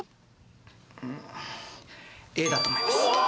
うーんＡだと思いますおおー！